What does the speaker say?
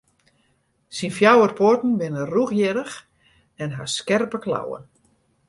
Syn fjouwer poaten binne rûchhierrich en hawwe skerpe klauwen.